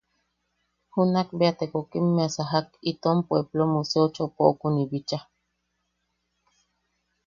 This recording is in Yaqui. Junanbeate gokimmea sajak itom pueblo Museo Chopokuni bicha.